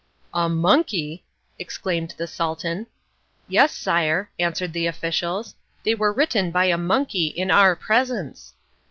"A monkey!" exclaimed the Sultan. "Yes, sire," answered the officials. "They were written by a monkey in our presence."